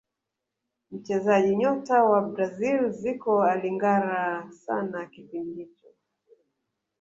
mchezaji nyota wa brazil zico alingara sana kipindi hicho